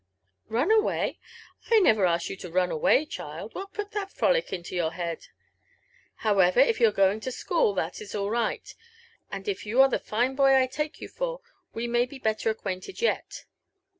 Run away! — I never asked you to run away, child. What put ihal frolic into your head? However, if you are going to school, that is all right ; and if you are the fine boy I take you for, we may be « belter acquainted yet.